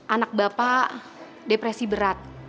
anak bapak depresi berat